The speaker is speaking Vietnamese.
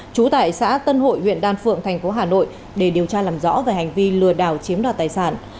trú tại xã tân hội huyện đan phượng thành phố hà nội để điều tra làm rõ về hành vi lừa đảo chiếm đoạt tài sản